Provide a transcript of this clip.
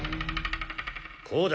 こうだ。